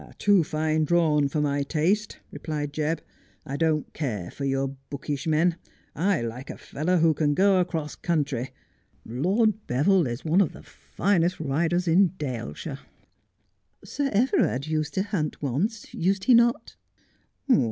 ' Too fine drawn for my taste,' replied Jebb, ' I don't care for your bookish men. T like a fellow who can go across country. Lord Beville is one of the finest riders in Daleshire.' ' Sir Everard used to hunt once, used he not